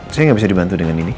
saya nggak bisa dibantu dengan ini